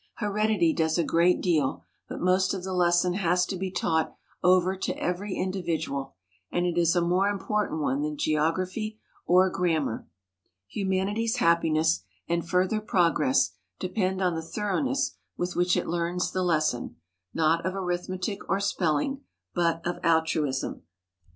Heredity does a great deal, but most of the lesson has to be taught over to every individual, and it is a more important one than geography or grammar. Humanity's happiness and further progress depend on the thoroughness with which it learns the lesson, not of arithmetic or spelling, but of altruism.